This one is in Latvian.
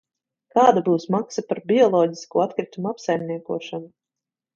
kāda būs maksa par bioloģisko atkritumu apsaimniekošanu?